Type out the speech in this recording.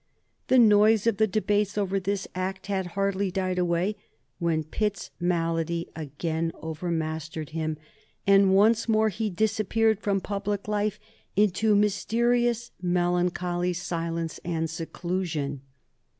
The noise of the debates over this act had hardly died away when Pitt's malady again overmastered him, and once more he disappeared from public life into mysterious melancholy silence and seclusion.